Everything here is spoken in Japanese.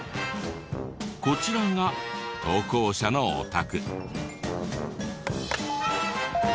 こちらが投稿者のお宅。